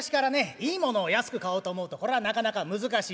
いいものを安く買おうと思うとこれがなかなか難しい。